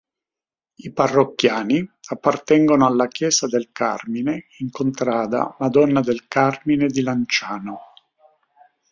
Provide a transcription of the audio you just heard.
I parrocchiani appartengono alla chiesa del Carmine in contrada Madonna del Carmine di Lanciano.